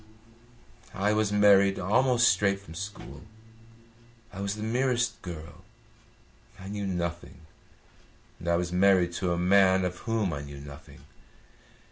"I was married almost straight from school. I was the merest girl. I knew nothing, and I was married to a man of whom I knew nothing.